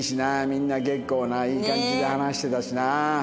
みんな結構ないい感じで話してたしな。